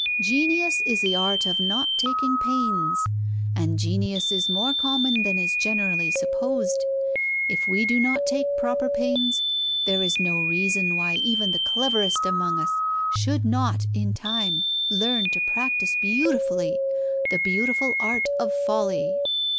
Genius is the art of not taking pains, and genius is more common than is generally supposed. If we do not take proper pains, there is no reason why even the cleverest among us should not in time learn to practise beautifully the beautiful art of folly.